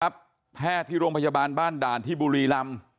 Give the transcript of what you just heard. แพทย์ที่โรงพยาบาลบ้านด่านที่บุรีรำ